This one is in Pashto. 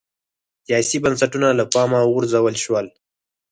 سیاسي بنسټونه له پامه وغورځول شول